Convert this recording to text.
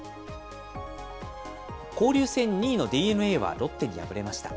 交流戦２位のＤｅＮＡはロッテに敗れました。